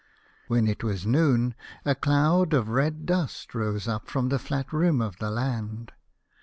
" When it was noon a cloud of red dust rose up from the dat rim of the land.